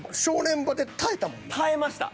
耐えました。